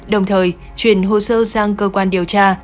đồng thời chuyển hồ sơ sang cơ quan điều tra